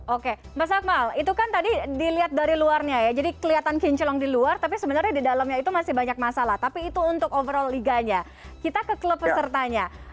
oke mas akmal itu kan tadi dilihat dari luarnya ya jadi kelihatan kinclong di luar tapi sebenarnya di dalamnya itu masih banyak masalah tapi itu untuk overall liganya kita ke klub pesertanya